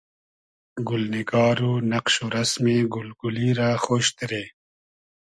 گولنیگار و نئقش و رئسمی گول گولی رۂ خۉش دیرې